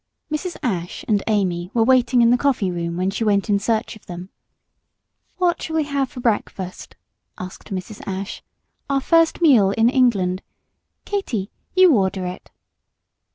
Mrs. Ashe and Amy were waiting in the coffee room when she went in search of them. "What shall we have for breakfast," asked Mrs. Ashe, "our first meal in England? Katy, you order it."